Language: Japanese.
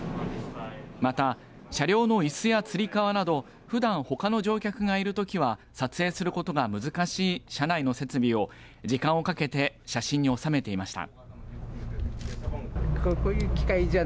また、車両のいすや、つり革などふだん、ほかの乗客がいるときは撮影することが難しい車内の設備を時間をかけて写真に収めていました。